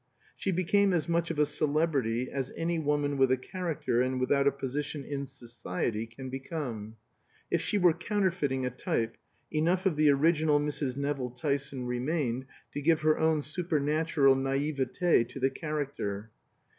She became as much of a celebrity as any woman with a character and without a position "in society" can become. If she were counterfeiting a type, enough of the original Mrs. Nevill Tyson remained to give her own supernatural näiveté to the character.